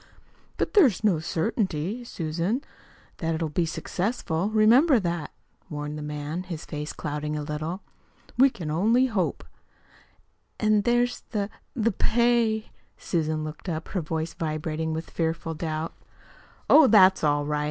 "But there's no certainty, Susan, that it'll be successful; remember that," warned the man, his face clouding a little. "We can only hope." "An' there's the the pay." Susan looked up, her voice vibrating with fearful doubts. "Oh, that's all right."